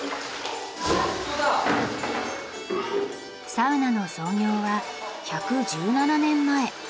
サウナの創業は１１７年前。